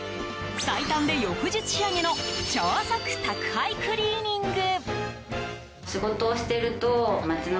最短で翌日仕上げの超速宅配クリーニング。